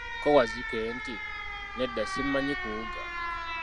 Ko Wazzike nti, nedda simanyi kuwuga.